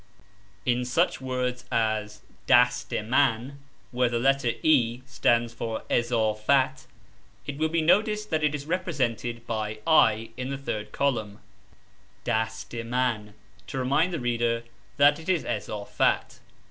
In such words as " daste man," where the letter e stands for Izafat, it will be noticed that it is represented by i in the third column (dast i man) to remind the reader that it is Izafat.